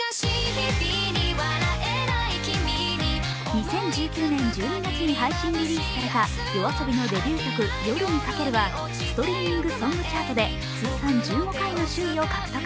２０１９年１２月に配信リリースされたＹＯＡＳＯＢＩのデビュー曲、「夜に駆ける」はストリーミング・ソング・チャートで通算１５回の首位を獲得。